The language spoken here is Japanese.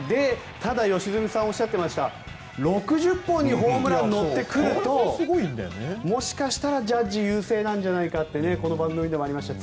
ただ、良純さんがおっしゃっていました６０本にホームラン乗ってくるともしかしたらジャッジ優勢なんじゃないかってこの番組でもありました